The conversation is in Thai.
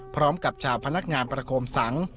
พร้อมกับชาวพนักงานประคมสัง